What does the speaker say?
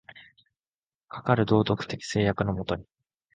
かかる道徳的制約の下に、